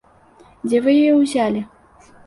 Дзе вы яе ўзялі?